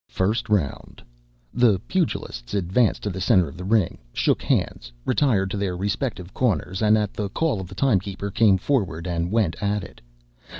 First Round. The pugilists advanced to the centre of the ring, shook hands, retired to their respective corners, and at the call of the time keeper, came forward and went at it.